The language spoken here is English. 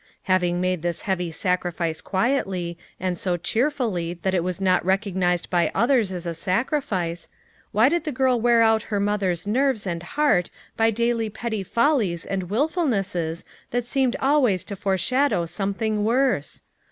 Having made this heavy sacrifice quietly, and so cheerfully that it was not recognized by others as a sacrifice, why did the girl wear out her mother's nerves and heart by daily petty follies and wilfulnesses that seemed always to foreshadow something worse?